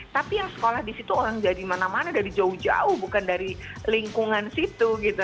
tapi yang sekolah di situ orang jadi mana mana dari jauh jauh bukan dari lingkungan situ gitu